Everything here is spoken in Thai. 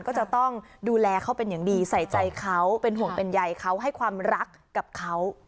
ก็จะต้องดูแลเขาเป็นอย่างดีใส่ใจเขาเป็นห่วงเป็นใยเขาให้ความรักกับเขา